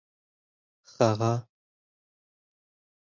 هغه